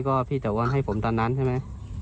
ก็พี่แต่ว่าให้ผมตอนนั้นใช่ไหม